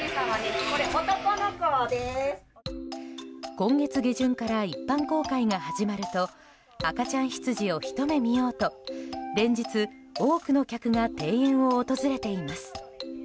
今月下旬から一般公開が始まると赤ちゃんヒツジをひと目見ようと連日、多くの客が庭園を訪れています。